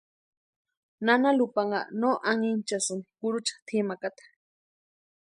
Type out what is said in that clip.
Nana Lupanha no anhinchasïni kurucha tʼimakata.